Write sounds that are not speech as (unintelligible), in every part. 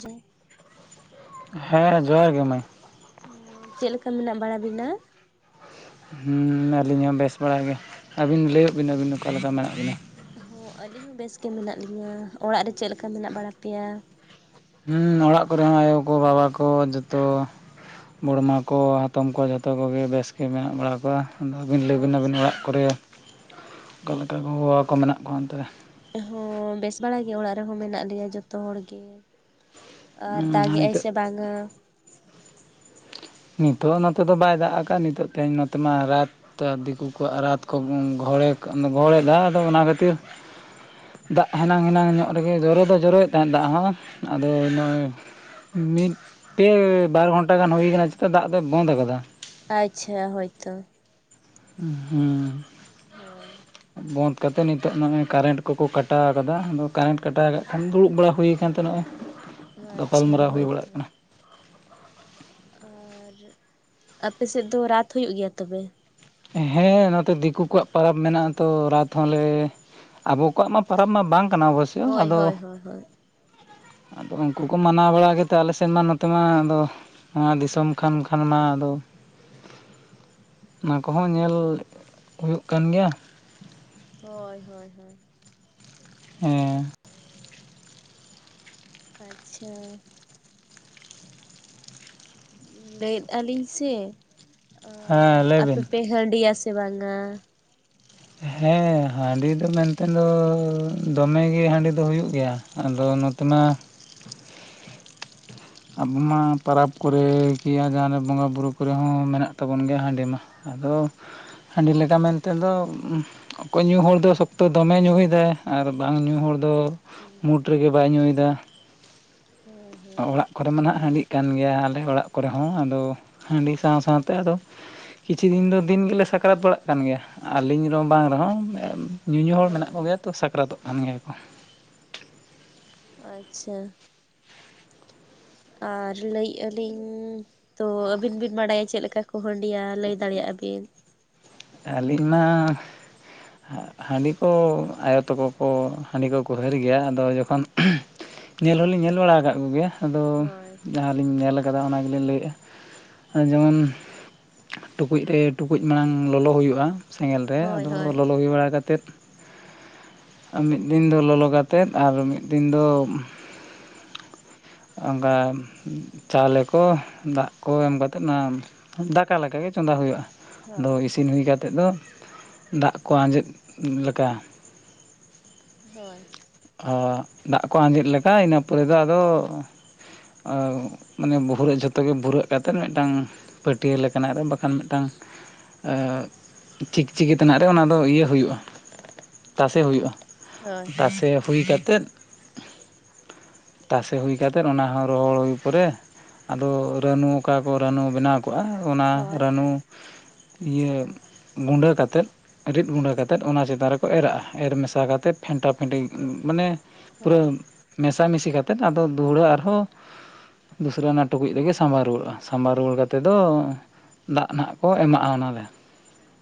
ᱡᱮ᱾ ᱦᱮᱸ ᱡᱚᱦᱟᱨ ᱜᱮ ᱢᱟᱹᱭ᱾ ᱚᱸ᱾ ᱪᱮᱜ ᱞᱮᱠᱟ ᱢᱮᱱᱟᱜ ᱵᱟᱲᱟ ᱵᱤᱱᱟ? ᱦᱩᱸ ᱟᱹᱞᱤᱧ ᱦᱚᱸ ᱵᱮᱥ ᱵᱟᱲᱟ ᱜᱮ᱾ ᱟᱹᱵᱤᱱ ᱞᱟᱹᱭᱩᱜ ᱵᱤᱱ ᱟᱹᱵᱤᱱ ᱚᱠᱟ ᱞᱮᱠᱟ ᱢᱮᱱᱟᱜ ᱵᱤᱱᱟ? ᱦᱚᱸ ᱟᱹᱞᱤᱧ ᱦᱚᱸ ᱵᱮᱥ ᱜᱮ ᱢᱮᱱᱟᱜ ᱞᱤᱧᱟᱹ᱾ ᱚᱲᱟᱜ ᱨᱮ ᱪᱮᱜ ᱞᱮᱠᱟ ᱢᱮᱱᱟᱜ ᱵᱟᱲᱟ ᱯᱮᱭᱟ? ᱦᱩᱸ ᱚᱲᱟᱜ ᱠᱚᱨᱮ ᱦᱚᱸ ᱟᱭᱳ ᱠᱚ ᱵᱟᱵᱟ ᱠᱚ ᱡᱚᱛᱚᱼᱼ ᱵᱚᱲᱢᱟ ᱠᱚ ᱦᱟᱛᱚᱢ ᱠᱚ ᱡᱷᱚᱛᱚ ᱠᱚ ᱜᱮ ᱵᱮᱥ ᱜᱮ ᱢᱮᱱᱟᱜ ᱵᱟᱲᱟ ᱠᱚᱣᱟ᱾᱾ ᱟᱫᱚ ᱟᱵᱤᱱ ᱞᱟᱹᱭ ᱵᱤᱱ ᱟᱹᱵᱤᱱ ᱟᱪᱪᱷᱟ ᱚᱲᱟᱜ ᱠᱚᱨᱮ ᱚᱠᱟ ᱠᱚ ᱞᱮᱠᱟ ᱜᱚᱼᱵᱟᱵᱟ ᱠᱚ ᱢᱮᱱᱟᱜ ᱚᱱᱛᱮ ᱨᱮ? ᱦᱚᱸ ᱵᱮᱥ ᱵᱟᱲ ᱜᱮ ᱚᱲᱟᱜ ᱨᱮᱦᱚᱸ ᱢᱮᱱᱟᱜ ᱞᱮᱭᱟ ᱡᱚᱛᱚ ᱦᱚᱲ ᱜᱮ᱾᱾ ᱟᱨ ᱦᱩᱸ ᱫᱟᱜᱮᱜ ᱟᱭ ᱱᱤᱛᱚᱜ ᱥᱮ ᱵᱟᱝᱟ? ᱱᱤᱛᱚᱜ ᱱᱚᱛᱮ ᱫᱚ ᱵᱟᱭ ᱫᱟᱜ ᱟᱠᱟᱜ-ᱥ᱾ ᱱᱤᱛᱚᱜ ᱛᱮᱦᱮᱧ ᱱᱚᱛᱮ ᱢᱟ ᱨᱟᱛ ᱛᱚ ᱟᱨ ᱫᱤᱠᱩ ᱠᱚᱣᱟᱜ ᱨᱟᱛ ᱠᱚ ᱜᱚᱝ ᱜᱷᱚᱲᱮ ᱠᱚ ᱜᱚᱲᱮ ᱫᱟᱜ ᱫᱚ ᱚᱱᱟ ᱠᱷᱟᱹᱛᱤᱨ ᱫᱟᱜ ᱦᱮᱱᱟᱝ ᱦᱮᱱᱟᱝ ᱧᱚᱜ ᱨᱮᱜᱮ ᱡᱚᱨᱚ ᱫᱚ ᱡᱚᱨᱚᱭᱮᱜ ᱛᱟᱦᱮᱸᱫ ᱫᱟᱜ ᱦᱚᱸ ᱟᱫᱚ ᱱᱚᱜ-ᱚᱭ ᱢᱤᱫ ᱯᱮ ᱵᱟᱨ ᱜᱷᱚᱱᱴᱟ ᱜᱟᱱ ᱦᱩᱭ ᱠᱟᱱᱟ ᱪᱮᱛᱟ ᱫᱟᱜ ᱫᱚᱭ ᱵᱚᱱᱫᱽ ᱟᱠᱟᱫᱟ᱾ ᱟᱪᱪᱷᱟ ᱦᱳᱭᱛᱚ᱾ ᱦᱩᱸ ᱦᱩᱸ᱾ ᱦᱳᱭ᱾ ᱵᱚᱱᱫᱽ ᱠᱟᱛᱮᱜ ᱱᱤᱛᱚᱜ ᱱᱚᱜ-ᱚᱭ ᱠᱟᱨᱮᱱᱴ ᱠᱚᱠᱚ ᱠᱟᱴᱟᱣ ᱟᱠᱟᱫᱟ᱾ ᱟᱫᱚ ᱠᱟᱨᱮᱱᱴ ᱠᱟᱴᱟᱣ ᱠᱟᱜ ᱠᱷᱟᱱ ᱫᱩᱲᱩᱵ ᱵᱟᱲᱟ ᱦᱩᱭ ᱠᱟᱱ ᱛᱮ ᱱᱚᱜ-ᱚᱭ (inaudible) ᱟᱪᱪᱷᱟ ᱜᱟᱯᱟᱞᱢᱟᱨᱟᱣ ᱦᱩᱭ ᱵᱟᱲᱟᱜ ᱠᱟᱱᱟ᱾ ᱴ ᱟᱯᱮ ᱥᱮᱜ ᱫᱚ ᱨᱟᱛ ᱦᱩᱭᱩᱜ ᱜᱮᱭᱟ ᱛᱚᱵᱮ? ᱦᱮᱸ ᱱᱚᱛᱮ ᱫᱤᱠᱩ ᱠᱚᱣᱟᱜ ᱯᱚᱨᱚᱵᱽ ᱢᱮᱱᱟᱜᱼᱟ ᱛᱚ ᱨᱟᱛ ᱦᱚᱸᱞᱮ ᱟᱵᱚ ᱠᱚᱣᱟᱜ ᱢᱟ ᱯᱚᱨᱚᱵᱽ ᱢᱟ ᱵᱟᱝ ᱠᱟᱱᱟ ᱦᱳᱭ ᱟᱫᱚ ᱦᱳᱭ ᱦᱳᱭ (inaudible) ᱟᱫᱚ ᱩᱱᱠᱩ ᱠᱚ ᱢᱟᱱᱟᱣ ᱵᱟᱲᱟ ᱠᱟᱛᱮᱫ ᱟᱞᱮ ᱥᱮᱫ ᱢᱟ ᱱᱚᱛᱮ ᱢᱟ ᱟᱫᱚ ᱱᱚᱣᱟ ᱫᱤᱥᱚᱢ ᱠᱷᱟᱱ ᱠᱷᱟᱱ ᱢᱟ ᱟᱫᱚ ᱚᱱᱟ ᱠᱚᱦᱚᱸ ᱧᱮᱞ ᱦᱩᱭᱩᱜ ᱠᱟᱱ ᱜᱮᱭᱟ᱾ ᱦᱳᱭ ᱦᱳᱭ ᱦᱳᱭ᱾ ᱦᱮᱸ᱾ ᱟᱪᱪᱷᱟ᱾ ᱞᱟᱹᱭᱮᱫᱼᱟ ᱞᱤᱧ ᱥᱮ ᱦᱮᱸ ᱟᱸ ᱞᱟᱹᱭ ᱟᱯᱮ ᱵᱤᱱ ᱯᱮ ᱦᱟᱺᱰᱤᱭᱟ ᱥᱮ ᱵᱟᱝᱼᱟ? ᱦᱮᱸ ᱦᱟᱺᱰᱤ ᱫᱚ ᱢᱮᱱᱛᱮ ᱫᱚ ᱫᱚᱢᱮ ᱜᱮ ᱦᱟᱺᱰᱤ ᱫᱚ ᱦᱩᱭᱩᱜ ᱜᱮᱭᱟ ᱟᱫᱚ ᱱᱚ ᱛᱮᱢᱟ ᱟᱵᱚ ᱢᱟ ᱯᱟᱨᱟᱵᱽ ᱠᱚᱨᱮ ᱠᱤᱭᱟ ᱡᱟᱦᱟᱸ ᱨᱮ ᱵᱚᱸᱜᱟ-ᱵᱩᱨᱩ ᱠᱚᱨᱮ ᱦᱚᱸ ᱢᱮᱱᱟᱜ ᱛᱟᱵᱚᱱ ᱜᱮᱭᱟ ᱦᱟᱺᱰᱤ ᱢᱟ᱾ ᱟᱫᱚ ᱦᱟᱺᱰᱤ ᱞᱮᱠᱟ ᱢᱮᱱᱛᱮ ᱫᱚ ᱩᱸᱷ ᱚᱠᱚᱭ ᱧᱩ ᱦᱚᱲ ᱫᱚ ᱥᱚᱠᱛᱚ ᱫᱚᱢᱮ ᱧᱩᱭᱮᱫᱟᱭ ᱟᱨ ᱵᱟᱝ ᱧᱩ ᱦᱚᱲ ᱫᱚ ᱦᱩᱸ ᱢᱩᱴ ᱦᱩᱸ ᱨᱮᱜᱮ ᱵᱟᱭ ᱧᱩᱭᱫᱟ᱾ ᱦᱳᱭ ᱦᱳᱭ ᱚᱲᱟᱜ ᱠᱚᱨᱮ ᱢᱟ ᱱᱟᱦᱟᱜ ᱟᱨ ᱦᱟᱺᱰᱤᱜ ᱠᱟᱱ ᱜᱮᱭᱟ ᱟᱞᱮ ᱠᱚᱨᱮ ᱦᱚᱸ ᱟᱫᱚ ᱦᱟᱺᱰᱤ ᱥᱟᱶ ᱥᱟᱶᱛᱮ ᱟᱫᱚ ᱠᱤᱪᱷᱩ ᱫᱤᱱ ᱫᱚ ᱫᱤᱱ ᱜᱮᱞᱮ ᱥᱟᱠᱨᱟᱛ ᱵᱟᱲᱟᱜ ᱠᱟᱱ ᱜᱮᱭᱟ, ᱟᱹᱞᱤᱧ ᱨᱮᱦᱚᱸ ᱵᱟᱝ ᱨᱮᱦᱚᱸ ᱧᱩᱧᱩ ᱦᱚᱲ ᱢᱮᱱᱟᱜ ᱦᱳᱭ ᱦᱳᱭ ᱠᱚᱜᱮᱭᱟ ᱛᱚ ᱥᱟᱠᱨᱟᱛᱚᱜ ᱠᱟᱱ ᱜᱮᱭᱟ ᱠᱚ᱾ ᱟᱪᱪᱷᱟ᱾ ᱟᱨ ᱞᱟᱹᱭᱮᱜ-ᱟ ᱞᱤᱧ ᱛᱚ ᱟᱹᱵᱤᱱ ᱵᱤᱱ ᱵᱟᱲᱟᱭᱟ ᱪᱮᱫ ᱞᱮᱠᱟ ᱠᱚ ᱦᱟᱹᱰᱤᱭᱟ ᱞᱟᱹᱭ ᱫᱟᱲᱮᱭᱟᱜᱼᱟ ᱵᱤᱱ? ᱟᱹᱞᱤᱧ ᱢᱟ, ᱦᱟᱜ ᱦᱟᱺᱰᱤ ᱠᱚ ᱟᱭᱳ ᱛᱟᱠᱚ ᱠᱚ ᱦᱟᱺᱰᱤ ᱠᱚᱠᱚ ᱦᱟᱹᱨ ᱜᱮᱭᱟ ᱟᱫᱚ ᱡᱚᱠᱷᱚᱱ ᱧᱮᱞ ᱦᱚᱸᱞᱤᱧ ᱧᱮᱞ ᱵᱟᱲᱟ ᱠᱟᱜ ᱠᱚᱜᱮᱭᱟ ᱟᱫᱚ, ᱦᱳᱭ ᱡᱟᱦᱟᱸᱞᱤᱧ ᱧᱮᱞ ᱟᱠᱟᱫᱟ ᱚᱱᱟ ᱜᱮᱞᱤᱧ ᱞᱟᱹᱭᱮᱜᱼᱟ᱾ ᱡᱮᱢᱚᱱ ᱴᱩᱠᱩᱡ ᱨᱮ ᱴᱩᱠᱩᱡ ᱢᱟᱲᱟᱝ ᱞᱚᱞᱚ ᱦᱩᱭᱩᱜᱼᱟ ᱥᱮᱸᱜᱮᱞ ᱨᱮ ᱦᱳᱭ ᱟᱫᱚ ᱦᱳᱭ ᱞᱚᱞᱚ ᱦᱩᱭ ᱵᱟᱲᱟ ᱠᱟᱛᱮᱫ ᱟ ᱢᱤᱫ ᱫᱤᱱ ᱫᱚ ᱞᱚᱞᱚ ᱠᱟᱛᱮᱫ ᱟᱨ ᱢᱤᱫ ᱫᱤᱱ ᱫᱚ ᱚᱱᱠᱟ ᱪᱟᱣᱞᱮ ᱠᱚ ᱫᱟᱜ ᱠᱚ ᱮᱢ ᱠᱟᱛᱮᱫ ᱱᱟ ᱫᱟᱠᱟ ᱞᱮᱠᱟ ᱜᱮ ᱪᱚᱸᱫᱟ ᱦᱳᱭᱳᱜᱼᱟ, ᱦᱳᱭ ᱟᱫᱚ ᱤᱥᱤ ᱥᱤᱱ ᱦᱩᱭ ᱠᱟᱛᱮᱫ ᱫᱚ ᱫᱟᱜ ᱠᱚ ᱟᱸᱡᱮᱫ ᱞᱮᱠᱟ, ᱦᱳᱭ᱾ ᱚ ᱫᱟᱜ ᱠᱚ ᱟᱸᱡᱮᱫ ᱞᱮᱠᱟ ᱤᱱᱟᱹ ᱯᱚᱨᱮ ᱫᱚ ᱟᱫᱚ ᱚ ᱢᱟᱱᱮ ᱵᱚᱦᱩᱨᱮ ᱡᱷᱚᱛᱚ ᱜᱮ ᱵᱷᱩᱨᱟᱹᱜ ᱠᱟᱛᱮᱫ ᱢᱤᱫᱴᱟᱝ ᱯᱟᱹᱴᱭᱟᱹ ᱞᱮᱠᱟᱱᱟᱜ ᱨᱮ ᱵᱟᱠᱷᱟᱱ ᱢᱤᱫᱴᱟᱝ ᱟᱜ ᱪᱤᱠᱪᱤᱠᱤ ᱛᱮᱱᱟᱜ ᱨᱮ ᱚᱱᱟ ᱫᱚ ᱤᱭᱟᱹ ᱦᱩᱭᱩᱜᱼᱟ, ᱛᱟᱥᱮ ᱦᱩᱭᱩᱜᱼᱟ᱾ ᱦᱳᱭ ᱛᱟᱥᱮ ᱦᱩᱭ ᱠᱟᱛᱮᱫ, ᱛᱟᱥᱮ ᱦᱩᱭ ᱠᱟᱛᱮᱫ ᱚᱱᱟ ᱦᱚᱸ ᱨᱚᱦᱚᱲ ᱦᱩᱭ ᱯᱚᱨᱮ ᱟᱫᱚ ᱨᱟᱹᱱᱩ ᱚᱠᱟ ᱠᱚ ᱨᱟᱹᱱᱩ ᱵᱮᱱᱟᱣ ᱠᱚᱜᱼᱟ ᱚᱱᱟ ᱦᱳᱭ ᱨᱟᱹᱱᱩ ᱤᱭᱟᱹ ᱜᱩᱸᱰᱟᱹ ᱠᱟᱛᱮᱫ ᱨᱤᱫ ᱜᱩᱸᱵᱟᱹ ᱠᱟᱛᱮᱫ ᱚᱱᱟ ᱪᱮᱛᱟᱱ ᱨᱮᱠᱚ ᱮᱨᱟᱜᱼᱟ ᱮᱨ ᱢᱮᱥᱟ ᱠᱟᱛᱮᱫ ᱯᱷᱮᱱᱴᱟᱼᱯᱷᱮᱱᱴᱤ ᱢᱟᱱᱮ ᱯᱩᱨᱟᱹ ᱦᱳᱭ ᱢᱮᱥᱟᱢᱤᱥᱤ ᱠᱟᱛᱮᱫ ᱟᱫᱚ ᱫᱷᱩᱦᱲᱟᱹ ᱟᱨᱦᱚᱸ ᱫᱩᱥᱨᱟ ᱚᱱᱟ ᱴᱩᱠᱩᱡ ᱨᱮᱜᱮ ᱥᱟᱢᱵᱟᱣ ᱨᱩᱣᱟᱹᱲᱚᱜᱼᱟ, ᱥᱟᱢᱵᱟᱣ ᱨᱩᱣᱟᱹᱲ ᱠᱟᱛᱮ ᱫᱚ ᱫᱟᱜ ᱱᱟᱦᱟᱜ ᱠᱚ ᱮᱢᱟᱜᱼᱟ ᱚᱱᱟ ᱨᱮ᱾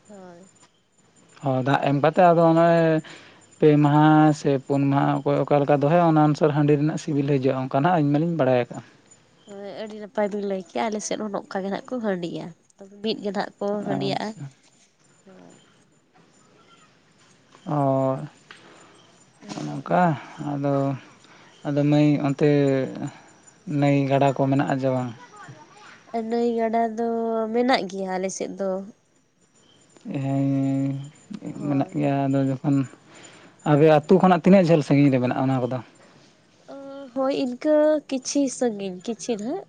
ᱦᱳᱭ᱾ ᱦᱚ ᱫᱟᱜ ᱮᱢ ᱠᱟᱛᱮ ᱟᱫᱚ ᱚᱱᱮ ᱯᱮ ᱢᱟᱦᱟ ᱥᱮ ᱯᱩᱱ ᱢᱟᱦᱟ ᱚᱠᱚᱭ ᱚᱠᱟ ᱞᱮᱠᱟ ᱫᱚᱦᱚᱭᱟ ᱚᱱᱟ ᱚᱱᱩᱥᱟᱨ ᱦᱟᱺᱰᱤ ᱨᱮᱱᱟᱜ ᱥᱤᱵᱤᱞ ᱦᱤᱡᱩᱜ ᱡᱩᱜ-ᱟ ᱚᱱᱠᱟ ᱱᱟᱦᱟᱜ ᱤᱧ ᱢᱟᱞᱤᱧ ᱵᱟᱲᱟᱭ ᱟᱠᱟᱜᱼᱟ᱾ ᱦᱳᱭ ᱟᱹᱰᱤ ᱱᱟᱯᱟᱭ ᱵᱤᱱ ᱞᱟᱹᱭ ᱠᱮᱜ-ᱟ ᱟᱞᱮ ᱥᱮᱫ ᱦᱚᱸ ᱱᱚᱜ ᱠᱟ ᱜᱮ ᱱᱟᱜ ᱠᱚ ᱦᱟᱺᱰᱤᱭᱟ ᱛᱚᱵᱮ ᱢᱤᱫ ᱜᱮ ᱱᱟᱦᱟᱜ ᱠᱚ ᱦᱟᱺᱰᱤᱭᱟ-ᱟ, ᱟᱪᱪᱷᱟ ᱦᱳᱭ ᱚ ᱦᱚᱸᱜ-ᱚ ᱦᱳᱭ ᱱᱚᱝᱠᱟ ᱟᱫᱚ, ᱟᱫᱚ ᱢᱟᱹᱭ ᱚᱱᱛᱮ, ᱱᱟᱹᱭ ᱜᱟᱰᱟᱠᱚ ᱢᱮᱱᱟᱜᱼᱟ ᱡᱮ ᱵᱟᱝ? ᱮ ᱱᱟᱹᱭ ᱜᱟᱰᱟ ᱫᱚ ᱢᱮᱱᱟᱜ ᱜᱮᱭᱟ ᱟᱞ ᱥᱮᱫ ᱫᱚ᱾ ᱦᱮᱻ ᱢᱮᱱᱟᱜ ᱦᱳᱭ ᱜᱮᱭᱟ ᱟᱫᱚ ᱡ ᱟᱵᱮ ᱟᱛᱳ ᱠᱷᱚᱱᱟᱜ ᱛᱤᱱᱟᱹᱜ ᱡᱷᱟᱹᱞ ᱥᱟᱺᱜᱤᱧ ᱨᱮ ᱢᱮᱱᱟᱜᱼᱟ ᱚᱱᱟ ᱠᱚᱫᱚ? ᱚᱻ ᱦᱳᱭ ᱤᱱᱠᱟᱹ ᱠᱤᱪᱷᱤ ᱥᱟᱺᱜᱤᱧ, ᱠᱤᱪᱷᱤ ᱦᱟᱸᱜ᱾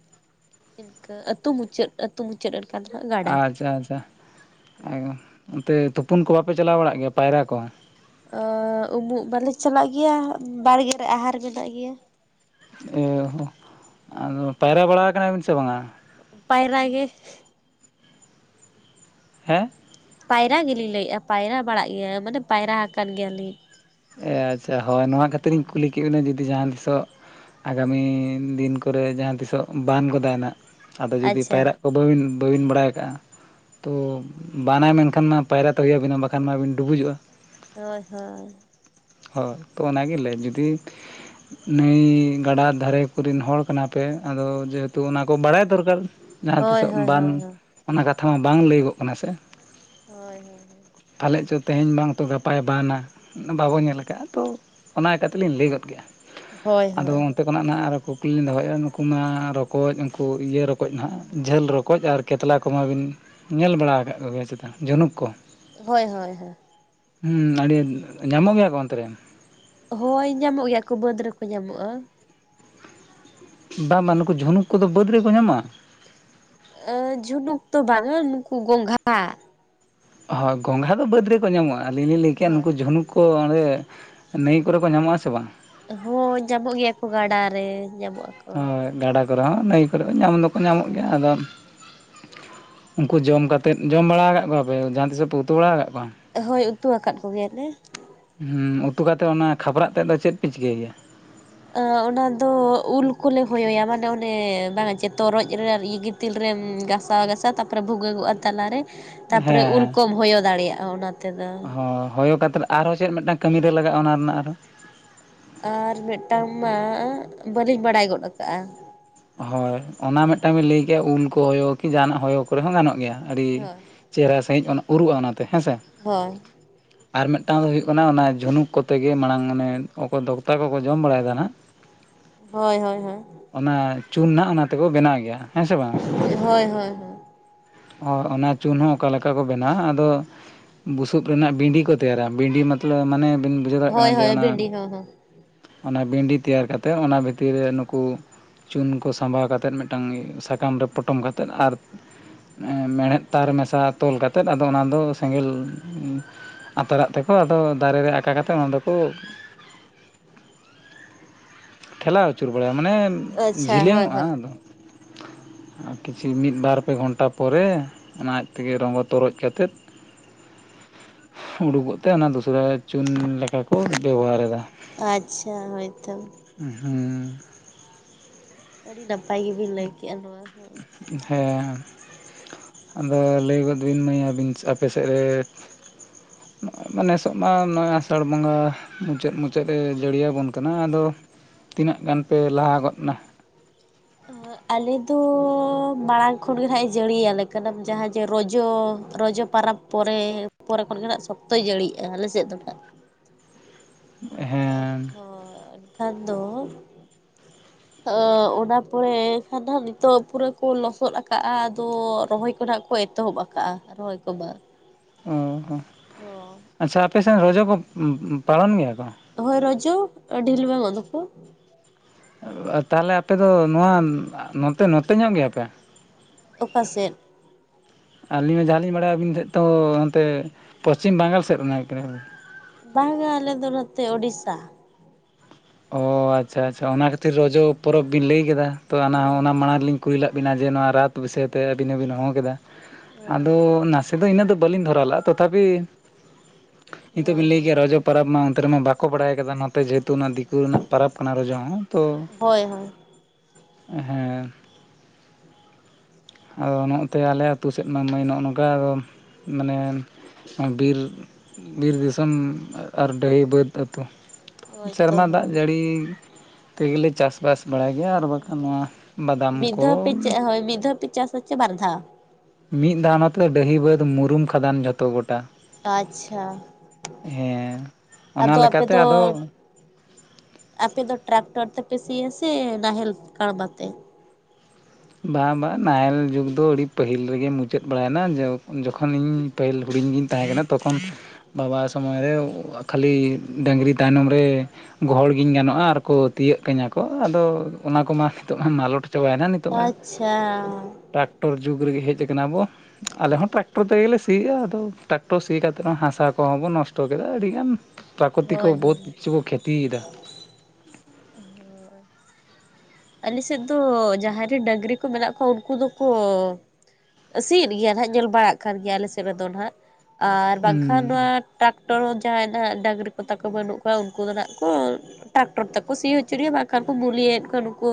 ᱤᱱᱠᱟᱹ ᱟᱹᱛᱩ ᱢᱩᱪᱟᱹᱫ᱾ ᱟᱛᱩ ᱢᱩᱪᱟᱹᱫ (unintelligible) ᱟᱪᱪᱷᱟ ᱟᱪᱪᱷᱟ, (unintelligible) ᱚᱱᱛᱮ ᱛᱩᱯᱩᱱ ᱠᱚ ᱵᱟᱯᱮ ᱪᱟᱞᱟᱣ ᱵᱟᱲᱟᱜ ᱜᱮᱭᱟ ᱯᱟᱭᱨᱟ ᱠᱚ᱾ ᱟᱻ ᱩᱢᱩᱜ ᱵᱟᱞᱮ ᱪᱟᱞᱟᱜ ᱜᱮᱭᱟ, ᱵᱟᱲᱜᱮ ᱨᱮ ᱟᱦᱟᱨ ᱢᱮᱱᱟᱜ ᱜᱮᱭᱟ᱾ ᱚ ᱦᱚᱸ, ᱦᱳᱭ ᱟᱫᱚ ᱯᱟᱭᱨᱟ ᱵᱟᱲᱟ ᱠᱟᱱᱟᱵᱤᱱ ᱥᱮ ᱵᱟᱝᱟ? ᱯᱟᱭᱨᱟ ᱜᱮ᱾ ᱦᱮᱸ ᱯᱟᱭᱨᱟ ᱜᱮᱞᱤᱧ ᱞᱟᱹᱭᱮᱫᱼᱟ ᱯᱟᱭᱨᱟ ᱵᱟᱲᱟᱜ ᱜᱮᱭᱟ ᱢᱟᱱᱮ ᱯᱟᱭᱨᱟ ᱟᱠᱟᱱ ᱜᱮᱭᱟᱞᱤᱧ᱾ ᱮ ᱟᱪᱪᱷᱟ ᱦᱳᱭ ᱱᱚᱣᱟ ᱠᱷᱟᱹᱛᱤᱨ ᱤᱧ ᱦᱳᱭ ᱠᱩᱞᱤ ᱠᱤ ᱤᱱᱟᱹ ᱡᱩᱫᱤ ᱡᱟᱸᱦᱟ ᱛᱤᱥᱚᱜ ᱟᱜᱟᱢᱤ ᱫᱤᱱ ᱠᱚᱨᱮ ᱡᱟᱸᱦᱟ ᱛᱤᱥᱚᱜ ᱵᱟᱱ ᱜᱚᱫᱟᱭ ᱱᱟᱜᱷ ᱟᱫᱚ ᱡᱩᱫᱤ ᱟᱪᱪᱷᱟ ᱯᱟᱭᱨᱟᱜ ᱠᱚ ᱵᱟᱹᱵᱤᱱ ᱵᱟᱹᱵᱤᱱ ᱵᱟᱲᱟᱭ ᱠᱟᱜᱼᱟ᱾ ᱛᱚ ᱵᱟᱱᱟᱭ ᱢᱮᱱᱠᱷᱟᱱ ᱢᱟ ᱯᱟᱭᱨᱟ ᱛᱚ ᱦᱩᱭ ᱟᱵᱤᱱᱟ ᱵᱟᱠᱷᱟᱱ ᱢᱟ ᱟᱹᱵᱤᱱ ᱰᱩᱵᱩᱡᱚᱜᱼᱟ᱾ ᱦᱳᱭ ᱦᱳᱭ᱾ ᱦᱳᱭ, ᱛᱚ ᱚᱱᱟ ᱜᱮ ᱞᱟᱹᱭ ᱡᱩᱫᱤ ᱱᱟᱹᱭ ᱜᱟᱰᱟ ᱫᱷᱟᱨᱮ ᱠᱚᱨᱮᱱ ᱦᱚᱲ ᱠᱟᱱᱟ ᱯᱮ ᱟᱫᱚ ᱡᱮᱦᱮᱛᱩ ᱚᱱᱟᱠᱚ ᱵᱟᱲᱟᱭ ᱫᱚᱨᱠᱟᱨ᱾ ᱡᱟᱸᱦᱟ ᱛᱤᱥᱚᱜ ᱦᱳᱭ ᱦᱳᱭ ᱵᱟᱱ ᱦᱳᱭ ᱚᱱᱟ ᱠᱟᱛᱷᱟ ᱢᱟ ᱵᱟᱝ ᱞᱟᱹᱭᱟᱹᱜᱚᱜ ᱠᱟᱱᱟ ᱥᱮ᱾ ᱦᱳᱭ ᱦᱳᱭ ᱦᱳᱭ᱾ ᱯᱟᱞᱮᱫ ᱪᱚ ᱛᱮᱸᱦᱮᱧ ᱵᱟᱝ ᱛᱚ ᱜᱟᱯᱟᱭ ᱵᱟᱱᱟ ᱵᱟᱵᱚᱱ ᱧᱮᱞ ᱛᱚ ᱚᱱᱟ ᱞᱮᱠᱟᱛᱤᱞᱤᱧ ᱞᱟᱹᱭ ᱜᱚᱫ ᱠᱮᱜᱼᱟ, ᱦᱳᱭ ᱟᱫᱚ ᱚᱱᱛᱮ ᱦᱳᱭ ᱚᱱᱟ ᱱᱟᱜᱷ ᱟᱨᱚ ᱠᱩᱠᱞᱤ ᱞᱤᱧ ᱫᱚᱦᱚᱭᱮᱫᱟ, ᱱᱩᱠᱩ ᱢᱟ ᱨᱚᱠᱚᱡ ᱩᱱᱩᱠᱩ ᱤᱭᱟᱹ ᱨᱚᱠᱚᱡᱽ ᱱᱟᱜᱷ ᱡᱷᱟᱹᱞ ᱨᱚᱠᱚᱡᱽ, ᱟᱨ ᱠᱮᱛᱞᱟ ᱠᱚᱢᱟ ᱵᱤᱱ ᱧᱮᱞ ᱵᱟᱲᱟ ᱟᱠᱟᱫ ᱠᱚᱜᱮᱭᱟ ᱪᱮᱛᱟ, ᱡᱷᱚᱱᱩᱠ ᱠᱚ᱾ ᱦᱳᱭ ᱦᱳᱭ ᱦᱳᱭ᱾ ᱦᱩᱸ ᱟᱹᱰᱤ ᱧᱟᱢᱚᱜ ᱜᱮᱭᱟ ᱠᱚ ᱚᱱᱛᱮ ᱨᱮ᱾ ᱦᱳᱭ ᱧᱟᱢᱚᱜ ᱜᱮᱭᱟ ᱠᱚ ᱵᱟᱹᱫᱽ ᱨᱮᱠᱚ ᱧᱟᱢᱚᱜᱼᱟ᱾ ᱵᱟᱝ ᱵᱟᱝ ᱱᱩᱠᱩ ᱡᱷᱚᱱᱩᱠ ᱠᱚᱫᱚ ᱵᱟᱹᱫᱽ ᱨᱮᱠᱚ ᱧᱟᱢᱚᱜᱼᱟ᱾ ᱟ ᱡᱷᱩᱱᱩᱠ ᱫᱚ ᱵᱟᱝᱼᱟ ᱱᱩᱠᱩ ᱜᱚᱝᱜᱷᱟ᱾ ᱦᱳᱭ ᱜᱚᱝᱜᱷᱟ ᱫᱚ ᱵᱟᱹᱫᱽ ᱨᱮᱠᱚ ᱧᱟᱢᱚᱜᱼᱟ ᱟᱹᱞᱤᱧ ᱞᱤᱧ ᱞᱟᱹᱭ ᱠᱮᱜᱼᱟ ᱦᱳᱭ ᱱᱩᱠᱩ ᱡᱷᱚᱱᱩᱠ ᱚ ᱚᱸᱰᱮ ᱱᱟᱹᱭ ᱠᱚᱨᱮ ᱠᱚ ᱧᱟᱢᱚᱜᱼᱟ ᱥᱮ ᱵᱟᱝ? ᱦᱳᱭ ᱧᱟᱢᱚᱜ ᱜᱮᱭᱟ ᱠᱚ ᱜᱟᱰᱟ ᱨᱮ ᱧᱟᱢᱚᱜ ᱟᱠᱚ᱾ ᱦᱳᱭ ᱜᱟᱰᱟ ᱠᱚᱨᱮ ᱦᱚᱸ ᱱᱟᱹᱭ ᱠᱚᱨᱮ ᱦᱚᱸ ᱧᱟᱢ ᱫᱚᱠᱚ ᱧᱟᱢᱚᱜ ᱜᱮᱭᱟ, ᱟᱫᱚ ᱩᱱᱠᱩ ᱡᱚᱢ ᱠᱟᱛᱫ ᱡᱚᱢ ᱵᱟᱲᱟ ᱠᱟᱜ ᱠᱚᱣᱟᱯᱮ ᱡᱟᱸᱦᱟ ᱛᱤᱥᱚᱜ ᱯᱮ ᱩᱛᱩ ᱵᱟᱲᱟ ᱠᱟᱜ ᱠᱚᱣᱟ? ᱦᱳᱭ ᱩᱛᱩ ᱟᱠᱟᱫ ᱠᱚᱜᱮᱭᱟᱞᱮ᱾ ᱦᱮᱸ ᱩᱛᱩ ᱠᱟᱛᱮᱫ ᱚᱱᱟ ᱠᱷᱟᱯᱨᱟᱜ ᱛᱮᱫ ᱫᱚ ᱪᱮᱫ ᱯᱮ ᱪᱤᱠᱟᱹᱭ ᱜᱮᱭᱟ? ᱟ ᱚᱱᱟ ᱫᱚ ᱩᱞ ᱠᱚᱞᱮ ᱦᱚᱭᱚᱭᱟ ᱢᱟᱱᱮ ᱚᱱᱮ ᱵᱟᱝᱟ ᱡᱮ ᱛᱚᱨᱚᱡ‌ ᱨᱮ ᱟᱨ ᱤᱭᱟᱹ ᱜᱤᱛᱤᱞ ᱨᱮᱢ ᱜᱷᱟᱥᱟᱣ ᱜᱟᱥᱟᱣ ᱛᱟᱯᱚᱨᱮ ᱵᱷᱩᱜᱟᱹᱜᱚᱜᱼᱟ ᱛᱟᱞᱟ ᱨᱮ ᱛᱟᱯᱚᱨᱮ ᱩᱞ ᱠᱚᱢ ᱦᱚᱭᱚ ᱫᱟᱲᱮᱭᱟᱜᱼᱟ ᱚᱱᱟ ᱛᱮᱫᱚ ᱦ ᱦᱚᱭᱚ ᱠᱟᱛᱮᱫ ᱟᱨᱦᱚᱸ ᱪᱮᱫ ᱢᱤᱫᱴᱟᱝ ᱠᱟᱹᱢᱤ ᱨᱮ ᱞᱟᱜᱟᱜᱼᱟ ᱚᱱᱟ ᱨᱮᱱᱟᱜ ᱟᱨᱚᱸ ᱟᱨ ᱢᱤᱫᱴᱟᱝ ᱢᱟ ᱵᱟᱹᱞᱤᱧ ᱵᱟᱲᱟᱭ ᱜᱚᱫ ᱟᱠᱟᱜᱼᱟ᱾ ᱦᱳᱭ ᱚᱱᱟ ᱢᱤᱫᱴᱟᱱ ᱵᱤᱱ ᱞᱟᱹᱭ ᱠᱮᱜᱼᱟ ᱩᱞ ᱠᱚ ᱦᱚᱭᱚ ᱠᱤ ᱡᱟᱦᱟᱱᱟᱜ ᱦᱚᱭᱚ ᱠᱚᱨᱮ ᱦᱚᱸ ᱜᱟᱱᱚᱜ ᱜᱮᱭᱟ, ᱟᱹᱰᱤ ᱪᱮᱦᱨᱟ ᱥᱟᱺᱦᱤᱡ ᱚᱱᱟ ᱩᱨᱩᱜᱼᱟ ᱚᱱᱟᱛᱮ ᱦᱮᱸᱥᱮ᱾ ᱦᱳᱭ ᱟᱨ ᱢᱤᱫᱴᱟᱝ ᱫᱚ ᱦᱩᱭᱩᱜ ᱠᱟᱱᱟ ᱚᱱᱟ ᱡᱷᱩᱱᱩᱠ ᱠᱚᱛᱮ ᱜᱮ ᱢᱟᱲᱟᱝ ᱚᱱᱮ ᱚᱠᱚᱭ ᱫᱚᱠᱛᱟ ᱠᱚᱠᱚ ᱡᱚᱢ ᱵᱟᱲᱟᱭ ᱛᱟᱸᱦᱮᱱᱟ ᱦᱳᱭ ᱦᱳᱭ ᱦᱳᱭ᱾ ᱚᱱᱟ ᱪᱩᱱ ᱱᱟᱸᱜ ᱚᱱᱟ ᱛᱮᱠᱚ ᱵᱮᱱᱟᱣ ᱜᱮᱭᱟ ᱦᱮᱸᱥᱮ ᱵᱟᱝ? ᱦᱳᱭ ᱦᱳᱭ ᱟᱨ ᱚᱱᱟ ᱪᱩᱱ ᱦᱚᱸ ᱚᱠᱟ ᱞᱮᱠᱟ ᱠᱚ ᱵᱮᱱᱟᱣ ᱟᱫᱚ ᱵᱩᱥᱩᱵᱽ ᱨᱮᱱᱟᱜ ᱵᱤᱸᱰᱤ ᱠᱚ ᱛᱮᱭᱟᱨᱟ, ᱵᱤᱸᱰᱤ ᱢᱚᱛᱞᱚᱵᱽ ᱢᱟᱱᱮ ᱵᱤᱱ ᱵᱩᱡᱷᱟᱹᱣ ᱫᱟᱲᱮᱜ ᱠᱟᱱᱟ ᱦᱳᱭ ᱡᱮ ᱦᱳᱭ ᱚᱱᱟ ᱵᱷᱤᱱᱰᱤ ᱦᱚᱸ ᱦᱚᱸ ᱚᱱᱟ ᱵᱤᱱᱰᱤ ᱛᱮᱭᱟᱨ ᱠᱟᱛᱮ ᱚᱱᱟ ᱵᱷᱤᱛᱤᱨ ᱨᱮ ᱱᱩᱠᱩ᱾ ᱪᱩᱱ ᱠᱚ ᱥᱟᱸᱵᱟᱣ ᱠᱟᱛᱮᱫ ᱢᱮᱫᱴᱟᱱ ᱥᱟᱠᱟᱢ ᱨᱮ ᱯᱚᱴᱚᱢ ᱠᱟᱛᱮᱫ ᱟᱨ, ᱢᱮᱲᱦᱮᱫ ᱛᱟᱨ ᱢᱮᱥᱟ ᱛᱚᱞ ᱠᱟᱛᱮᱫ ᱟᱫᱚ ᱚᱱᱟᱫᱚ ᱥᱮᱸᱜᱮᱞ ᱟᱛᱟᱨᱟᱜ ᱛᱮᱠᱚ ᱟᱫᱚ ᱫᱟᱨᱮ ᱨᱮ ᱟᱠᱟ ᱠᱟᱛᱮ ᱚᱱᱟ ᱫᱚᱠᱚ (inaudible) ᱴᱷᱮᱞᱟᱣ ᱟᱹᱪᱩᱨ ᱵᱟᱲᱟᱭᱟ ᱢᱟᱱᱮ, ᱟᱪᱪᱷᱟ ᱦᱳᱭ ᱡᱷᱤᱞᱟᱹᱝᱚᱜᱼᱟ ᱦᱳᱭ ᱟᱫᱚ ᱠᱤᱪᱷᱤ ᱢᱤᱫ, ᱵᱟᱨ, ᱯᱮ ᱜᱷᱚᱱᱴᱟ ᱯᱚᱨᱮ ᱚᱱᱟ ᱟᱡᱽ ᱛᱮᱜᱮ ᱨᱚᱸᱜᱚ ᱛᱚᱨᱚᱡ ᱠᱟᱛᱮᱫ (inaudible) ᱩᱰᱩᱜᱚᱜ ᱛᱮ ᱚᱱᱟ ᱫᱩᱥᱨᱟᱹ ᱪᱩᱱ ᱞᱮᱠᱟ ᱠᱚ ᱵᱮᱵᱚᱦᱟᱨᱮ ᱫᱟ᱾ ᱟᱪᱪᱷᱟ ᱦᱳᱭᱛᱚ ᱟᱹᱰᱤ ᱱᱟᱯᱟᱭ ᱜᱮᱵᱤᱱ ᱞᱟᱹᱭ ᱠᱮᱜᱼᱟ ᱱᱚᱣᱟ ᱦᱚᱸ᱾ ᱦᱮ ᱦᱮᱸ ᱟᱫᱚ ᱞᱟᱹᱭ ᱜᱚᱫ ᱵᱤᱱ ᱢᱟᱹᱭ ᱟᱹᱵᱤᱱ ᱟᱯᱮ ᱥᱮᱫ ᱨᱮᱻ ᱱᱚᱸᱜᱼᱚᱭ ᱢᱟ ᱱᱮᱥᱚᱜ ᱢᱟ ᱱᱚᱸᱜᱼᱚᱭ ᱟᱥᱟᱲ ᱵᱚᱸᱜᱟᱻ ᱢᱩᱪᱟᱹᱫ - ᱢᱩᱪᱟᱹᱫ ᱮ ᱡᱟᱹᱲᱤᱭᱟᱵᱚᱱ ᱠᱟᱱᱟ ᱟᱫᱚ, ᱛᱤᱱᱟᱹᱜ ᱜᱟᱱ ᱯᱮ ᱞᱟᱦᱟ ᱜᱚᱫ ᱱᱟ᱾ (unintelligible) ᱟᱞᱮᱫᱚᱻ ᱢᱟᱲᱟᱝ ᱠᱷᱚᱱᱜᱮ ᱱᱷᱟᱜ ᱮ ᱡᱟᱹᱲᱤᱭᱟᱞᱮ ᱠᱟᱱᱟ ᱡᱟᱦᱟᱸ ᱡᱮ ᱨᱚᱡᱚ-ᱨᱚᱡᱚ ᱯᱟᱨᱟᱵᱽ᱾ ᱯᱚᱨᱮᱻ ᱯᱚᱨᱮ ᱠᱷᱚᱱᱜᱮ ᱱᱸᱟᱜ ᱥᱚᱠᱛᱚᱭ ᱡᱟᱹᱲᱤᱜᱼᱟ ᱟᱞᱮᱥᱮᱫ ᱫᱚ ᱱᱟᱸᱜ᱾ ᱚᱷ ᱦᱮᱸ ᱦᱚᱻ ᱮᱱᱠᱷᱟᱱ ᱫᱚᱻ ᱛᱚ ᱚᱱᱟ ᱯᱚᱨᱮ ᱠᱷᱟᱱ ᱫᱚ ᱦᱟᱸᱜ ᱱᱤᱛᱚᱜ ᱯᱩᱨᱟᱹ ᱠᱚ ᱞᱚᱥᱚᱫᱽ ᱟᱠᱟᱜᱼᱟ, ᱟᱫᱚ ᱨᱚᱦᱚᱭ ᱠᱚ ᱱᱟᱸᱜ ᱠᱚ ᱮᱛᱚᱦᱚᱵᱽ ᱟᱠᱟᱜᱼᱟ, ᱨᱚᱦᱚᱭ ᱠᱚ ᱢᱟ᱾ ᱚᱻ ᱦᱚ ᱟᱪᱪᱷᱟ ᱟᱯᱮ ᱥᱮ ᱨᱚᱡᱚ ᱠᱚ ᱩᱸ ᱩᱸ ᱯᱟᱲᱚᱱ ᱜᱮᱭᱟ ᱠᱚ? ᱦᱳᱭ ᱨᱚᱡᱚ ᱟᱰᱷᱤᱞᱩᱣᱝᱚᱜ ᱫᱚᱠᱚ᱾ ᱛᱟᱦᱞᱮ ᱟᱯᱮ ᱫᱚ ᱱᱚᱣᱟ ᱱᱚᱛᱮ-ᱱᱚᱛᱮ ᱧᱚᱜ ᱜᱮᱭᱟᱯᱮ? ᱚᱠᱟ ᱥᱮᱫ? ᱟᱹᱞᱤᱧ ᱫᱚ ᱡᱟᱦᱟᱸ ᱞᱤᱧ ᱵᱟᱲᱟᱭᱟ ᱟᱹᱵᱤᱱ ᱛᱷᱮᱫ ᱛᱳᱻᱦᱟᱱᱛᱮ ᱯᱚᱥᱪᱤᱢ ᱵᱟᱝᱜᱟᱞ ᱥᱮᱫ ᱨᱮᱱ ᱠᱟᱱᱟ ᱵᱤᱱ᱾ ᱵᱟᱝᱟ ᱟᱞᱮ ᱫᱚ ᱱᱚᱛᱮ ᱳᱰᱤᱥᱥᱟ᱾ ᱚᱻ ᱟᱪᱪᱷᱟ-ᱟᱪᱪᱷᱟ ᱚᱱᱟ ᱠᱷᱟᱹᱛᱤᱨ ᱨᱚᱡᱚ ᱯᱚᱨᱚᱵᱽ ᱵᱤᱱ ᱞᱟᱹᱭ ᱠᱮᱫᱟ, ᱛᱚ ᱟᱱᱟ ᱦᱚᱸ ᱦᱳᱭ ᱚᱱᱟ ᱢᱟᱲᱟᱝ ᱨᱮᱞᱤᱧ ᱠᱩᱞᱤᱞᱟᱜ ᱵᱤᱱᱟᱹ ᱡᱮ ᱱᱚᱣᱟ ᱨᱟᱛ ᱵᱤᱥᱟᱹᱭ ᱛᱮ ᱟᱹᱵᱤᱱ ᱦᱚᱸᱵᱤᱱ ᱦᱚᱸ ᱠᱮᱫᱟ ᱾ ᱦᱳᱭ ᱟᱫᱚᱻ ᱱᱟᱥᱮ ᱠᱤᱱᱛᱩ ᱤᱱᱟᱹᱜ ᱫᱚ ᱵᱟᱹᱞᱤᱧ ᱫᱷᱚᱨᱟ ᱞᱟᱜᱼᱟ ᱛᱚᱛᱷᱟᱯᱤ᱾ ᱱᱤᱛᱚᱜ ᱦᱳᱭ ᱦᱳᱭ ᱦᱳᱭ ᱵᱤᱱ ᱞᱟᱹᱭ ᱠᱮᱭᱟ ᱨᱚᱡᱚ ᱯᱟᱨᱟᱵᱽ ᱢᱟ ᱚᱱᱛᱮ ᱨᱮᱢᱟ ᱵᱟᱠᱚ ᱵᱟᱲᱟᱭ ᱠᱟᱫᱟ ᱱᱚᱛᱮ ᱡᱮᱦᱮᱛᱩ ᱚᱱᱟ ᱫᱤᱠᱩ ᱨᱮᱱᱟᱜ ᱯᱟᱨᱟᱵᱽ ᱠᱟᱱᱟ ᱨᱚᱡᱚ ᱦᱚᱸ᱾ ᱛᱚ ᱦᱳᱭ ᱦᱳᱭ ᱦᱳᱭ ᱦᱮᱸ᱾ (inaudible) ᱟᱫᱚ ᱱᱚᱸᱜ-ᱚ ᱱᱚᱛᱮ ᱟᱞᱮ ᱟᱹᱛᱩ ᱥᱮᱫ ᱢᱟ ᱢᱟᱹᱭ ᱱᱚᱜᱼᱚ ᱱᱚᱝᱠᱟ ᱟᱫᱚ ᱢᱟᱱᱮ ᱵᱤᱨ-ᱵᱤᱨ ᱫᱤᱥᱚᱢ ᱟᱨ ᱰᱟᱹᱦᱤ ᱵᱟᱹᱫᱽ ᱟᱹᱛᱩ᱾ ᱦᱳᱭ ᱛᱚ ᱥᱮᱨᱢᱟ ᱦᱳᱭ ᱫᱟᱜ ᱡᱟᱹᱲᱤ ᱛᱮᱜᱮᱞᱮ ᱪᱟᱥ ᱵᱟᱥ ᱵᱟᱲᱟᱭ ᱜᱮᱭᱟ ᱟᱨ ᱵᱟᱠᱷᱟᱱ ᱱᱚᱣᱟ, ᱵᱟᱫᱟᱢ ᱠᱚᱻ ᱦᱚᱭ ᱢᱤᱫᱫᱷᱟ ᱯᱮ ᱪᱟᱥ ᱪᱮ ᱵᱟᱨᱫᱷᱟᱣ? ᱢᱤᱫ ᱫᱷᱟᱣ ᱱᱚᱛᱮ ᱫᱚ ᱰᱟᱹᱦᱤ ᱵᱟᱹᱫᱽ ᱢᱩᱨᱩᱢ ᱠᱷᱟᱫᱟᱱ ᱡᱷᱚᱛᱚ ᱜᱚᱴᱟ᱾ ᱟᱪᱪᱷᱟ, ᱦᱮᱸ ᱚᱱᱟ ᱟᱫᱚ ᱟᱯᱮ ᱞᱮᱠᱟᱛᱮ ᱫᱚ ᱟᱫᱚ ᱟᱯᱮ ᱫᱚ ᱴᱨᱟᱠᱴᱚᱨ ᱛᱮᱯᱮ ᱥᱤᱭᱟ ᱥᱮ ᱱᱟᱦᱮᱞ ᱠᱟᱬᱵᱟ ᱛᱮ? ᱵᱟᱸ ᱵᱟᱝ ᱱᱟᱦᱮᱞ ᱡᱩᱜᱽ ᱫᱚ ᱟᱹᱰᱤ ᱯᱟᱹᱦᱤᱞ ᱨᱮᱜᱮ ᱢᱩᱪᱟᱹᱫ ᱵᱟᱲᱟᱭᱮᱱᱟ ᱡᱚᱠᱷᱚ ᱡᱚᱠᱷᱚᱱ ᱤᱧ ᱯᱟᱹᱦᱤᱞ ᱦᱩᱰᱤᱧ ᱜᱤᱧ ᱛᱟᱦᱮᱸ ᱠᱟᱱᱟ ᱛᱚᱠᱷᱚᱱ ᱵᱟᱵᱟ ᱥᱚᱢᱚᱭ ᱨᱮ ᱠᱷᱟᱹᱞᱤ ᱰᱟᱹᱝᱨᱤ ᱛᱟᱭᱱᱚᱢ ᱨᱮ ᱜᱚᱦᱚᱲᱜᱤᱧ ᱜᱟᱱᱚᱜᱼᱟ ᱟᱨᱠᱚ ᱛᱤᱭᱳᱜ ᱠᱟᱹᱧᱟᱹ ᱠᱚ ᱟᱫᱚ ᱚᱱᱟ ᱠᱚᱢᱟ ᱱᱤᱛᱚᱜ ᱢᱟ ᱢᱟᱞᱚᱴ ᱪᱟᱵᱟᱭᱮᱱᱟ ᱾ ᱟᱪᱪᱷᱟ᱾ ᱴᱨᱟᱠᱴᱚᱨ ᱡᱩᱜᱽ ᱨᱮᱜᱮ ᱦᱮᱡ ᱟᱠᱟᱱᱟ ᱵᱚ ᱟᱞᱮ ᱦᱚᱸ ᱴᱨᱟᱠᱴᱚᱨ ᱛᱮᱜᱮ ᱞᱮ ᱥᱤ ᱮᱜᱼᱟ ᱟᱫᱚ ᱴᱨᱟᱠᱴᱚᱨ ᱥᱤ ᱠᱟᱛᱮᱫ ᱦᱚᱸ ᱦᱟᱥᱟ ᱠᱚᱦᱚᱸ ᱵᱚᱱ ᱱᱚᱥᱴᱚ ᱠᱮᱫᱟ ᱟᱹᱰᱤᱜᱟᱱ ᱾ ᱯᱨᱟᱠᱚᱛᱤ ᱠᱚ ᱦᱳᱭ ᱵᱚᱦᱩᱛ ᱦᱳᱭ ᱠᱤᱪᱷᱩ ᱠᱚ ᱠᱷᱮᱛᱤᱭᱮᱫᱟ ᱾ ᱟᱞᱮ ᱥᱮᱫ ᱫᱚ ᱡᱟᱦᱟᱸᱭ ᱨᱮ ᱰᱟᱝᱨᱤ ᱠᱚ ᱢᱮᱱᱟᱜ ᱠᱚᱣᱟ ᱩᱱᱠᱩ ᱫᱚᱠᱚ ᱥᱤᱭᱮᱫ ᱜᱮᱭᱟ ᱦᱟᱸᱜ ᱧᱮᱞ ᱵᱟᱲᱟᱜ ᱠᱟᱱ ᱜᱮᱭᱟ ᱟᱞᱮ ᱥᱮᱫ ᱨᱮᱫᱚ ᱦᱟᱸᱜ ᱟᱨ ᱦᱩᱸ ᱵᱟᱝᱠᱷᱟᱱ ᱱᱚᱣᱟ ᱴᱨᱟᱠᱴᱚᱨ ᱡᱟᱦᱟᱸᱭ ᱱᱟᱦᱟᱜ ᱰᱟᱝᱨᱤ ᱠᱚ ᱛᱟᱠᱚ ᱵᱟᱹᱱᱩᱜ ᱠᱚᱣᱟ ᱩᱱᱠᱩ ᱫᱚ ᱱᱟᱜ ᱠᱚ ᱴᱨᱟᱠᱴᱚᱨ ᱛᱟᱠᱚ ᱥᱤ ᱦᱚᱪᱚᱱᱤᱡ ᱵᱟᱝᱠᱷᱟᱱ ᱫᱚ ᱠᱚ ᱢᱩᱞᱭᱟᱹᱮᱫ ᱠᱚᱣᱟ ᱠᱟᱱᱟ ᱩᱱᱠᱩ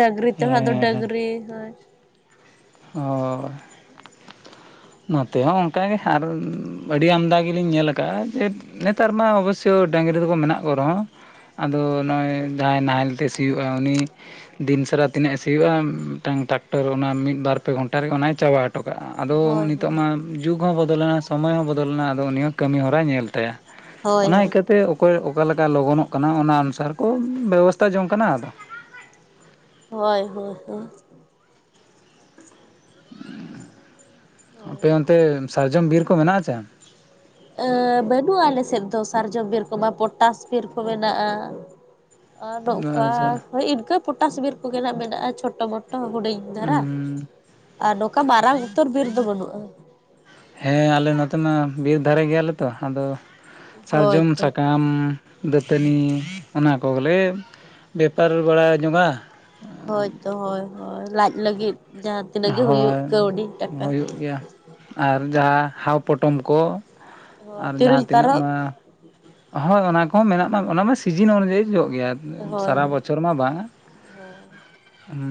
ᱰᱟᱝᱨᱤ ᱛᱮᱦᱚᱸ ᱫᱚ ᱦᱮᱸ ᱦᱮᱸ ᱰᱟᱝᱨᱤ ᱦᱳᱭ ᱦᱳᱭ ᱾ (unintelligible) ᱱᱚᱛᱮ ᱦᱚᱸ ᱚᱱᱠᱟ ᱜᱮ ᱟᱨ ᱟᱹᱰᱤ ᱟᱢᱫᱟ ᱜᱮᱞᱤᱧ ᱧᱮᱞ ᱟᱠᱟᱜᱼᱟ ᱡᱮ ᱱᱮᱛᱟᱨ ᱢᱟ ᱚᱵᱚᱥᱳᱭ ᱰᱟᱝᱨᱤ ᱫᱚᱠᱚ ᱢᱮᱱᱟᱜ ᱠᱚ ᱨᱮᱦᱚᱸ ᱟᱫᱚ ᱱᱚᱜᱼᱚᱭ ᱡᱟᱦᱟᱸᱭ ᱱᱟᱦᱮᱞ ᱛᱮ ᱥᱤᱭᱳᱜᱼᱟ ᱩᱱᱤ ᱫᱤᱱᱥᱟᱨᱟ ᱛᱤᱱᱟᱹᱜ ᱮ ᱥᱤᱭᱳᱜᱼᱟ ᱢᱤᱫᱴᱟᱝ ᱴᱨᱟᱠᱴᱚᱨ ᱚᱱᱟ ᱢᱤᱫᱵᱟᱨ ᱯᱮ ᱜᱷᱚᱱᱴᱟ ᱨᱮ ᱚᱱᱟᱭ ᱪᱟᱵᱟ ᱦᱚᱴᱚ ᱠᱟᱜᱼᱟ ᱟᱫᱚ ᱦᱳᱭ ᱦᱳᱭ ᱱᱤᱛᱚᱜ ᱢᱟ ᱡᱩᱜᱽ ᱦᱚᱸ ᱵᱚᱫᱚᱞᱮᱱᱟ ᱥᱚᱢᱚᱭ ᱦᱚᱸ ᱵᱚᱫᱚᱞᱮᱱᱟ ᱟᱫᱚ ᱩᱱᱤ ᱦᱚᱸ ᱠᱟᱹᱢᱤ ᱦᱚᱨᱟᱭ ᱧᱮᱞ ᱛᱟᱭᱟ ᱦᱳᱭ ᱚᱱᱟ ᱦᱳᱭ ᱤᱠᱟᱹᱛᱮ ᱚᱠᱚᱭ ᱚᱠᱟ ᱞᱮᱠᱟ ᱞᱚᱜᱚᱱᱚᱜ ᱠᱟᱱᱟ ᱚᱱᱟ ᱚᱱᱩᱥᱟᱨ ᱠᱚ ᱵᱮᱵᱚᱥᱛᱟ ᱡᱚᱝ ᱠᱟᱱᱟ ᱟᱫᱚ ᱦᱳᱭ ᱦᱳᱭ ᱦᱳᱭ ᱾ ᱟᱯᱮ ᱚᱱᱛᱮ ᱥᱟᱨᱡᱚᱢ ᱵᱤᱨ ᱠᱚ ᱢᱮᱱᱟᱜ-ᱟ ᱪᱮ? ᱮᱸ ᱵᱟᱹᱱᱩᱜᱼᱟ ᱟᱞᱮ ᱥᱮᱫ ᱫᱚ ᱥᱟᱨᱡᱚᱢ ᱵᱤᱨ ᱠᱚᱢᱟ ᱯᱚᱴᱟᱥ ᱵᱤᱨ ᱠᱚ ᱢᱮᱱᱟᱜᱼᱟ᱾ ᱟᱨ ᱱᱚᱝᱠᱟ ᱟᱪᱪᱷᱟ ᱦᱳᱭ ᱤᱱᱠᱟᱹ ᱯᱚᱴᱟᱥ ᱵᱤᱨ ᱠᱚᱜᱮ ᱢᱮᱱᱟᱜᱼᱟ ᱪᱷᱳᱴᱳ ᱢᱳᱴᱳ ᱦᱩᱰᱤᱧ ᱫᱷᱟᱨᱟ ᱩᱸ ᱟᱨ ᱱᱚᱝᱠᱟ ᱢᱟᱨᱟᱝ ᱩᱛᱟᱹᱨ ᱵᱤᱨ ᱫᱚ ᱵᱟᱹᱱᱩᱜᱼᱟ ᱾ ᱦᱮᱸ ᱟᱞᱮ ᱱᱚᱛᱮ ᱢᱟ ᱵᱤᱨ ᱫᱷᱟᱨᱮ ᱜᱮᱭᱟᱞᱮ ᱛᱚ ᱟᱫᱚ ᱥᱟᱨᱡᱚᱢ ᱦᱳᱭᱛᱚ ᱥᱟᱠᱟᱢ ᱫᱟᱹᱛᱟᱹᱱᱤ ᱚᱱᱟ ᱠᱚᱜᱮᱞᱮ ᱵᱮᱯᱟᱨ ᱵᱟᱲᱟ ᱡᱚᱝᱚᱜᱼᱟ᱾ ᱦᱳᱭᱛᱚ ᱦᱳᱭ ᱦᱳᱭ ᱞᱟᱡᱽ ᱞᱟᱹᱜᱤᱫ ᱡᱟᱦᱟᱸ ᱛᱤᱱᱟᱹᱜ ᱜᱮ ᱦᱩᱭᱩᱜ ᱦᱳᱭ ᱠᱟᱹᱣᱰᱤ ᱴᱟᱠᱟ ᱾ ᱦᱩᱭᱩᱜ ᱜᱮᱭᱟ ᱟᱨ ᱡᱟᱦᱟᱸ ᱦᱟᱣ ᱯᱚᱴᱚᱢ ᱠᱚ ᱦᱳᱭ ᱟᱨ ᱛᱤᱨᱤᱞ ᱡᱟᱦᱟᱸ ᱛᱤᱱᱟᱹᱜ ᱛᱟᱨᱚᱵ ᱢᱟ ᱦᱳᱭ ᱚᱱᱟ ᱠᱚᱦᱚᱸ ᱢᱮᱱᱟᱜ ᱢᱟ ᱚᱱᱟᱢᱟ ᱥᱤᱡᱤᱱ ᱚᱱᱩᱡᱟᱭᱤ ᱦᱩᱭᱩᱜ ᱜᱮᱭᱟ ᱦᱳᱭ ᱥᱟᱨᱟ ᱵᱚᱪᱷᱚᱨ ᱢᱟ ᱵᱟᱝᱼᱟ ᱦᱳᱭ ᱾ ᱦᱩᱸ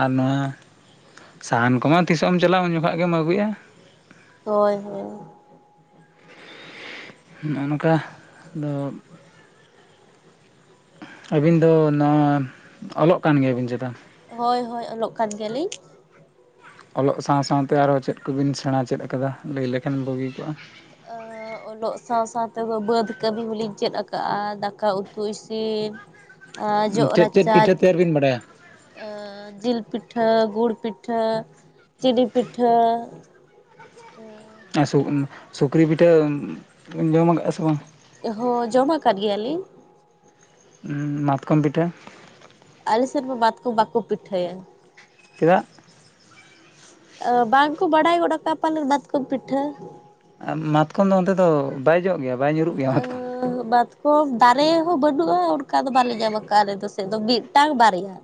ᱟᱨ ᱱᱚᱣᱟ ᱥᱟᱦᱟᱱ ᱠᱚᱢᱟ ᱛᱤᱥᱚᱜ ᱮᱢ ᱪᱟᱞᱟᱜᱼᱟ ᱩᱱ ᱡᱚᱠᱷᱚᱱ ᱜᱮᱢ ᱟᱹᱜᱩᱭᱟ ᱾ ᱦᱳᱭ ᱦᱳᱭ ᱾ ᱱᱚᱜ ᱱᱚᱝᱠᱟ ᱫᱚ ᱟᱹᱵᱤᱱ ᱫᱚ ᱱᱚᱣᱟ ᱚᱞᱚᱜ ᱠᱟᱱ ᱜᱮᱭᱟᱵᱤᱱ ᱪᱮᱛᱟ? ᱦᱳᱭ ᱦᱳᱭ ᱚᱞᱚᱜ ᱠᱟᱱ ᱜᱮᱭᱟᱞᱤᱧ ᱾ ᱚᱞᱚᱜ ᱥᱟᱶ ᱥᱟᱶᱛᱮ ᱟᱨᱦᱚᱸ ᱪᱮᱫ ᱠᱚᱵᱤᱱ ᱥᱮᱬᱟ ᱪᱮᱫ ᱟᱠᱟᱫᱟ ᱞᱟᱹᱭ ᱞᱮᱠᱷᱟᱱ ᱵᱩᱜᱤ ᱠᱚᱜᱼᱟ? ᱟᱨ (inaudible) ᱚᱞᱚᱜ ᱥᱟᱶ ᱥᱟᱶ ᱛᱮᱫᱚ ᱵᱟᱹᱫ ᱠᱟᱹᱢᱤ ᱦᱚᱸᱞᱤᱧ ᱪᱮᱫ ᱟᱠᱟᱜᱼᱟ ᱫᱟᱠᱟ ᱩᱛᱩ ᱤᱥᱤᱱ ᱟᱨ ᱪᱮᱫ ᱪᱮᱫ ᱡᱚᱜᱨᱟᱪᱟᱡ ᱯᱤᱴᱷᱟᱹ ᱛᱮᱭᱟᱨ ᱵᱤᱱ ᱵᱟᱰᱟᱭᱟ ᱡᱤᱞ ᱯᱤᱴᱷᱟᱹ, ᱜᱩᱲ ᱯᱤᱴᱷᱟᱹ, ᱪᱤᱱᱤ ᱯᱤᱴᱷᱟᱹ ᱾ ᱥᱩᱠ ᱥᱩᱠᱨᱤ ᱯᱤᱴᱷᱟᱹ ᱡᱚᱢ ᱟᱠᱟᱜᱼᱟ ᱥᱮ ᱵᱟᱝ? ᱦᱚᱸ ᱡᱚᱢᱟ ᱟᱠᱟᱫ ᱜᱮᱭᱟᱞᱤᱧ ᱾ ᱩᱸ ᱢᱟᱛᱠᱚᱢ ᱯᱤᱴᱟᱹ? ᱟᱞᱮᱥᱮᱫ ᱢᱟ ᱢᱟᱛᱠᱚᱢ ᱵᱟᱠᱚ ᱯᱤᱴᱷᱟᱹᱭᱟ ᱾ ᱪᱮᱫᱟᱜ? ᱵᱟᱝᱠᱚ ᱵᱟᱲᱟᱭ ᱜᱚᱫᱠᱟᱫᱼᱟ ᱯᱟᱞᱮᱱ ᱢᱟᱛᱠᱚᱢ ᱯᱤᱴᱷᱟᱹ ᱾ ᱢᱟᱛᱠᱚᱢ ᱫᱚ ᱚᱱᱛᱮ ᱫᱚ ᱵᱟᱭ ᱡᱚᱜ ᱜᱮᱭᱟ? ᱵᱟᱭ ᱧᱩᱨᱩᱜ ᱜᱮᱭᱟ ᱟᱹᱻ ᱢᱟᱛᱠᱚᱢ ᱵᱟᱛ ᱠᱚ ᱫᱟᱨᱮ ᱦᱚᱸ ᱵᱟᱹᱱᱩᱜᱼᱟ ᱚᱱᱠᱟ ᱫᱚ ᱵᱟᱞᱮ ᱧᱟᱢ ᱟᱠᱟᱟᱜᱼᱟ ᱟᱞᱮ ᱫᱚ ᱥᱮᱫ ᱫᱚ ᱢᱤᱫᱴᱟᱝ, ᱵᱟᱨᱭᱟᱼᱼ